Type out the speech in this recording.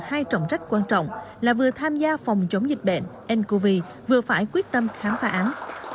hai trọng trách quan trọng là vừa tham gia phòng chống dịch bệnh ncov vừa phải quyết tâm khám phá án